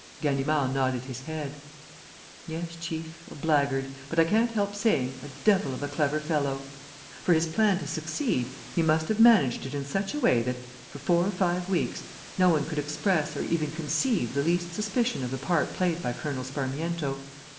Ganimard nodded his head: "Yes, chief, a blackguard, but, I can't help saying, a devil of a clever fellow. For his plan to succeed, he must have managed in such a way that, for four or five weeks, no one could express or even conceive the least suspicion of the part played by Colonel Sparmiento.